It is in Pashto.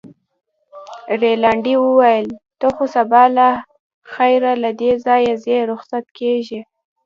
رینالډي وویل: ته خو سبا له خیره له دې ځایه ځې، رخصت کېږې.